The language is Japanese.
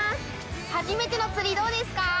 初めての釣りどうですか？